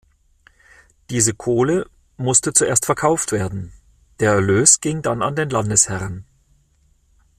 Diese Kohle musste zuerst verkauft werden, der Erlös ging dann an den Landesherrn.